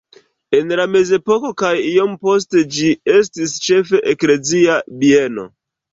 En la mezepoko kaj iom poste ĝi estis ĉefe eklezia bieno.